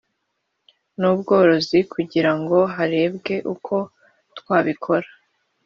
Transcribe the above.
n ubworozi kugira ngo harebwe uko twabikora